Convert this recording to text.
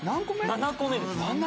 ７個目です。